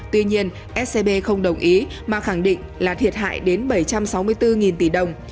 tuy nhiên scb không đồng ý mà khẳng định là thiệt hại đến bảy trăm sáu mươi bốn tỷ đồng